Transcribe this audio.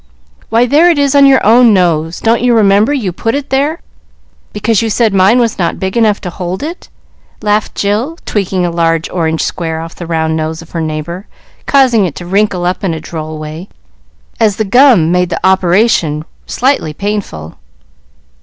"Why, there it is on your own nose. Don't you remember you put it there because you said mine was not big enough to hold it?" laughed Jill, tweaking a large orange square off the round nose of her neighbor, causing it to wrinkle up in a droll way, as the gum made the operation slightly painful.